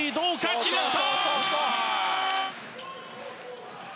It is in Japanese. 決まった！